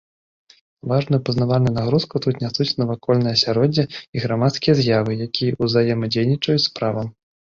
Важную пазнавальную нагрузку тут нясуць навакольнае асяроддзе і грамадскія з'явы, якія ўзаемадзейнічаюць з правам.